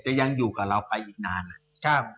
จะยังอยู่กับเราไปอีกนานนะครับ